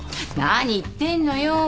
何言ってんのよ。